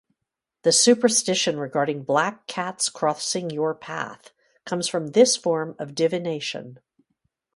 The superstition regarding black cats crossing your path comes from this form of divination.